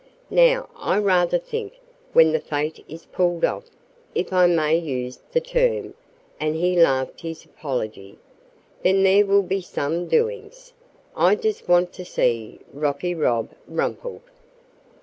Now, I rather think when the fete is 'pulled off,' if I may use the term," and he laughed his apology, "then there will be some doin's. I just want to see rocky Rob rumpled."